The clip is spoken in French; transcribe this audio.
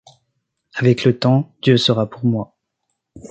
Avec le temps, Dieu sera pour moi !